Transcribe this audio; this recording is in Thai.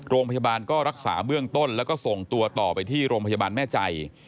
โรงพยาบาลก็รักษาเบื้องต้นแล้วก็ส่งตัวต่อไปที่โรงพยาบาลแม่ใจ